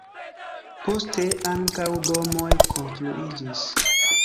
Poste ankaŭ domoj konstruiĝis.